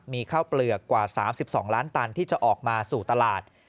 มีข้าวเปลือกกว่า๓๒ล้านตันที่จะออกมาสู่ตลาด